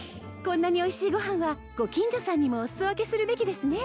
こんなにおいしいご飯はご近所さんにもおすそ分けするべきですね